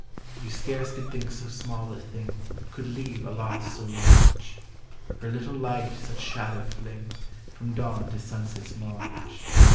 You scarce could think so small a thing Could leave a loss so large; Her little light such shadow lling From dawn to sunset's marge.